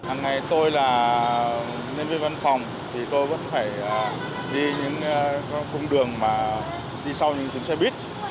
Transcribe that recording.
hằng ngày tôi là nhân viên văn phòng thì tôi vẫn phải đi những cung đường mà đi sau những chuyến xe buýt